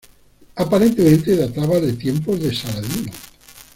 Aparentemente, databa de tiempos de Saladino.